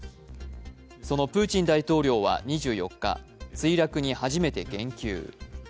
そのプーチン大統領は２４日、墜落に初めて言及。